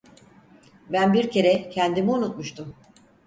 Ben bir kere kendimi unutmuştum.